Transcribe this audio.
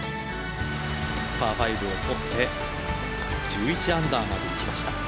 パー５を取って１１アンダーまできました。